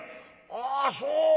あそうか。